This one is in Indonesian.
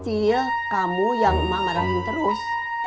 iya kamu yang emak marahin terus